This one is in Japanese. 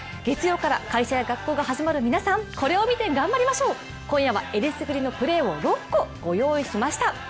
月曜から会社や学校が始まる皆さん、これを見て頑張りましょう今夜はえりすぐりのプレーを６個用意しました。